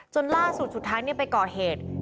จนล่าสุดสุดท้ายเนี่ยไปก่อเหตุ